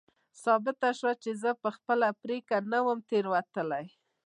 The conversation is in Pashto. ثابته شوه چې زه په خپله پرېکړه نه وم تېروتلی.